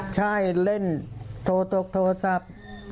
ใช่เล่นโทรศัพท์